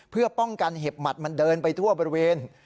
เพื่อป้องกันเห็บหมัดมันเดินไปทั่วบริเวณ